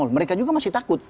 mereka juga masih takut